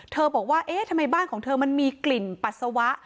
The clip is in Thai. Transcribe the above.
บอกว่าเอ๊ะทำไมบ้านของเธอมันมีกลิ่นปัสสาวะ